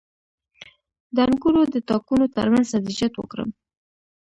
د انګورو د تاکونو ترمنځ سبزیجات وکرم؟